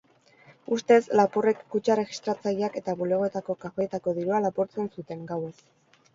Ustez, lapurrek kutxa-erregistratzaileak eta bulegoetako kajoietako dirua lapurtzen zuten, gauez.